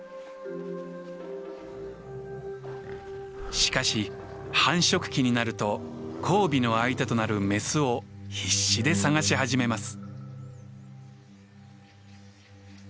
しかし繁殖期になると交尾の相手となるメスを必死で探し始めます。